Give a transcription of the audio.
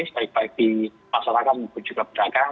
baik baik di masyarakat maupun juga pedagang